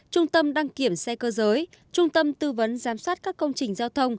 trung tâm đăng kiểm xe cơ giới trung tâm tư vấn giám sát các công trình